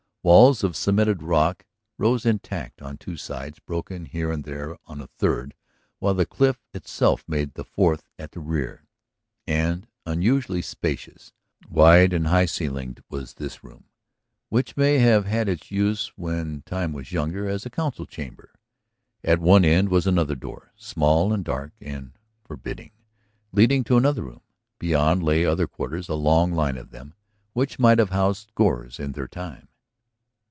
Walls of cemented rock rose intact on two sides, broken here and there on a third, while the cliff itself made the fourth at the rear. And unusually spacious, wide, and high ceiled was this room, which may have had its use when time was younger as a council chamber. At one end was another door, small and dark and forbidding, leading to another room. Beyond lay other quarters, a long line of them, which might have housed scores in their time.